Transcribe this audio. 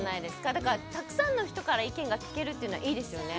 だからたくさんの人から意見が聞けるっていうのはいいですよね。